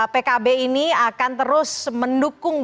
pkb ini akan terus mendukung